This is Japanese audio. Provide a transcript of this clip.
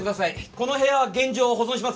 この部屋は現状を保存します。